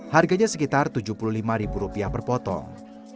harganya sekitar tujuh puluh lima ribu rupiah per potong